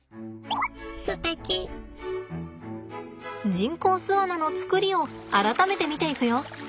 人工巣穴の作りを改めて見ていくよ。